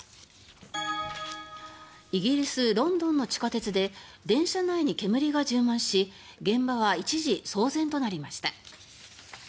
イギリス・ロンドンの地下鉄で電車内に煙が充満し現場は一時、騒然となりました。